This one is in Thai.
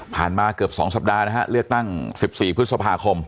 ผ่านมาเกือบสองสัปดาห์นะฮะเลือกตั้งสิบสี่พฤษภาคม